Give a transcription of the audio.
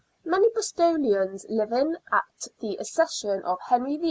Many Bristolians living at the accession of Henry VHI.